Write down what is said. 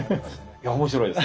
いや面白いです。